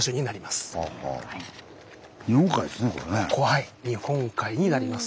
はい日本海になります。